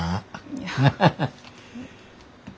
いや。ハハハ。